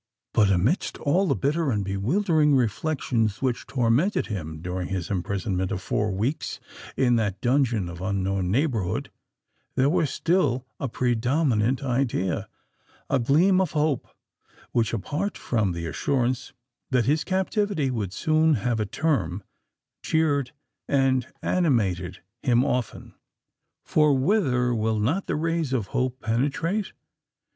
But amidst all the bitter and bewildering reflections which tormented him during his imprisonment of four weeks in that dungeon of unknown neighbourhood, there was still a predominant idea—a gleam of hope, which, apart from the assurance that his captivity would soon have a term, cheered and animated him often. For whither will not the rays of Hope penetrate?